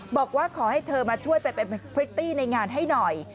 บอกว่าขอให้เธอมาช่วยไปเป็นพริตตี้ในงานให้หน่อย